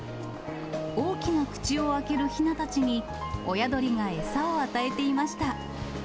大きな口を開けるひなたちに、親鳥が餌を与えていました。